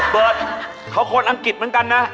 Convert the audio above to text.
เปิดเขาคนอังกฤษเหมือนกันนะ